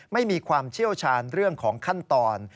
ไม่มีความเชี่ยวชาญเรื่องของขั้นตอน